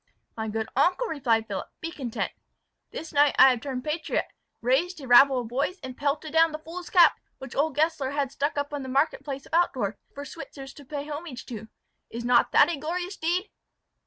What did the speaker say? "My good uncle," replied Philip, "be content. This night I have turned patriot, raised a rabble of boys, and pelted down the fool's cap which old Gessler had stuck up in the market place of Altdorf, for Switzers to pay homage to. Is not that a glorious deed!"